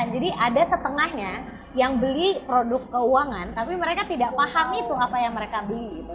jadi ada setengahnya yang beli produk keuangan tapi mereka tidak pahami tuh apa yang mereka beli gitu